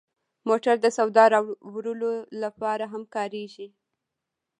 موټر د سودا راوړلو لپاره هم کارېږي.